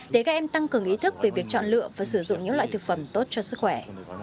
để các em tăng cường ý thức về việc chọn lựa và sử dụng những loại thực phẩm tốt cho sức khỏe